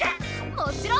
もちろん。